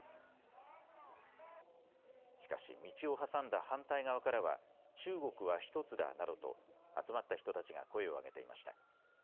しかし道を挟んだ反対側からは中国はひとつだなどと集まった人たちが声を上げていました。